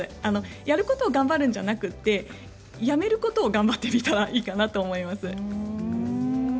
やることを頑張るのではなくてやめることを頑張っていったらいいかなと思います。